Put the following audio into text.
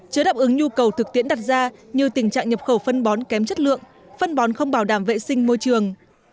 chứa đáp ứng nhu cầu thực tiễn đặt ra như tình trạng nhập khẩu phân bón kém chất lượng phân bón không bảo đảm vệ sinh môi trường